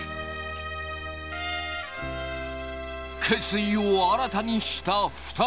決意を新たにした２人。